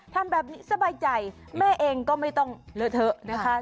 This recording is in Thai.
ทำแบบนี้สบายใจแม่เองก็ไม่ต้องเลอะเทอะนะคะ